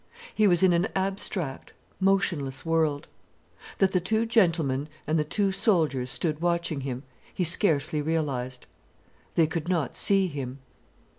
He was in an abstract, motionless world. That the two gentlemen and the two soldiers stood watching him, he scarcely realized. They could not see him.